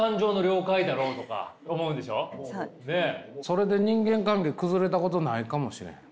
それで人間関係崩れたことないかもしれへん。